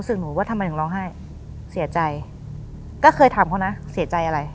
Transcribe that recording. สักประมาณ๕๑๐สักทีเนี่ย